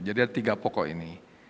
jadi ada tiga pokok ini